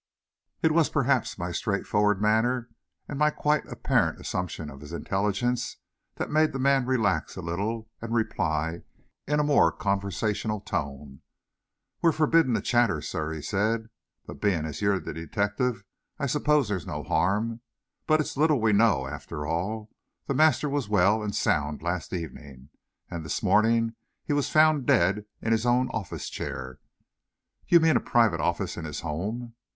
It was perhaps my straightforward manner, and my quite apparent assumption of his intelligence, that made the man relax a little and reply in a more conversational tone. "We're forbidden to chatter, sir," he said, "but, bein' as you're the detective, I s'pose there's no harm. But it's little we know, after all. The master was well and sound last evenin', and this mornin' he was found dead in his own office chair." "You mean a private office in his home?"